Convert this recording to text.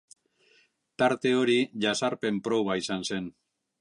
Tarte hori jazarpen proba izan zen.